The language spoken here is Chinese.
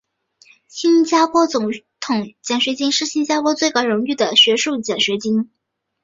新加坡总统奖学金是新加坡最高荣誉的学术奖学金。